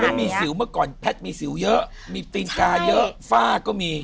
มันมีสิวเมื่อก่อนแพทย์มีสิวเยอะมีตีนกาเยอะฝ้าก็มี